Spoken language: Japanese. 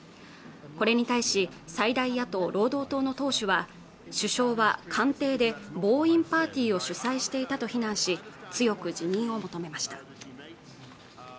これに対し最大野党・労働党の党首は首相は官邸で暴飲パーティーを主催していたと非難し強く辞任を求めました